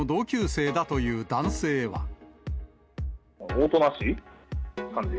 おとなしい感じ。